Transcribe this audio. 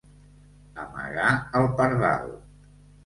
Amagar el pardal.